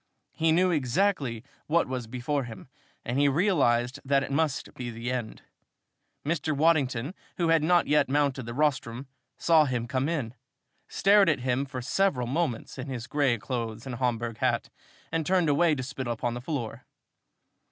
He knew exactly what was before him and he realized that it must be the end. Mr. Waddington, who had not yet mounted the rostrum, saw him come in, stared at him for several moments in his gray clothes and Homburg hat, and turned away to spit upon the floor.